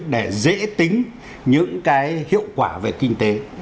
để dễ tính những cái hiệu quả về kinh tế